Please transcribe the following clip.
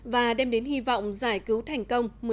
và đem đến hy vọng giải cứu thành công